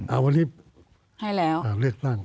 เอาวันนี้เลือกตั้ง